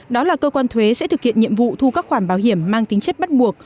đó là cơ quan thuế sẽ thực hiện nhiệm vụ thu các khoản bảo hiểm mang tính chất bắt buộc